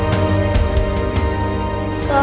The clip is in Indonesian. untuk mengembangkan keadaan